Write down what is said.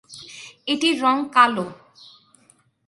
এটির রঙ কালো।